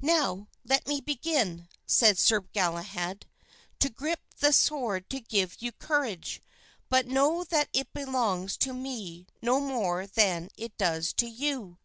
"Now let me begin," said Sir Galahad, "to grip this sword to give you courage; but know that it belongs to me no more than it does to you."